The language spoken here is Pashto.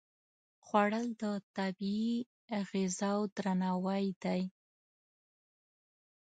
خوړل د طبیعي غذاو درناوی دی